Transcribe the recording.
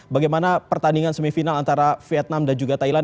bagaimana pertandingan semifinal antara vietnam dan juga thailand